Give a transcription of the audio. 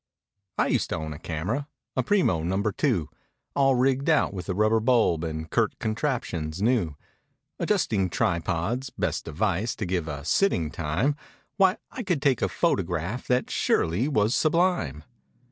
I used to own a camera— A Premo number two— All rigged out with a rubber bulb And curt contraptions new; Adjusting tripods; best device To give a "sitting" time, Why I could take a photograph That surely was sublime.